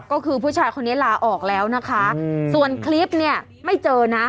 ก็คือผู้ชายคนนี้ลาออกแล้วนะคะส่วนคลิปเนี่ยไม่เจอนะ